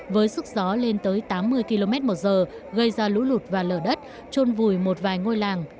với sức gió lên tới tám mươi km một giờ gây ra lũ lụt và lở đất trôn vùi một vài ngôi làng